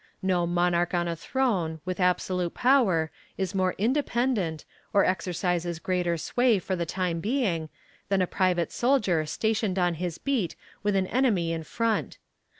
No monarch on a throne, with absolute power, is more independent, or exercises greater sway for the time being, than a private soldier stationed on his beat with an enemy in front.